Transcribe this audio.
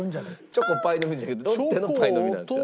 チョコパイの実じゃなくてロッテのパイの実なんですよ。